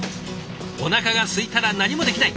おなかがすいたら何もできない。